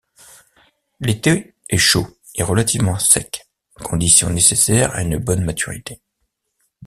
L'été est chaud et relativement sec, conditions nécessaires à une bonne maturité.